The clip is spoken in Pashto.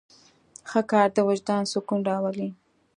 ښه کار د وجدان سکون راولي.